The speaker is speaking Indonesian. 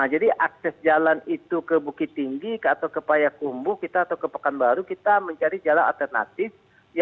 jadi akses jalan itu ke bukit tinggi atau ke payakumbu kita atau ke pekanbaru kita mencari jalan alternatif